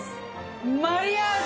マリアージュ。